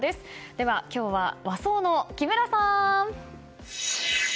では、今日は和装の木村さん。